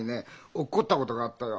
落っこったことがあったよ。